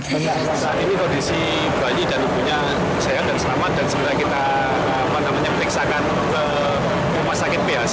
nah ini kondisi bayi dan ibunya sehat dan selamat dan sebelah kita menikmati kemas sakit bac